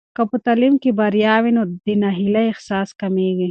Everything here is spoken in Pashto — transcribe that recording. که په تعلیم کې بریا وي، نو د ناهیلۍ احساس کمېږي.